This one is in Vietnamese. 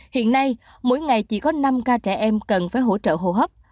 hiện nay mỗi ngày chỉ có năm ca trẻ em cần phải hỗ trợ thở hô hấp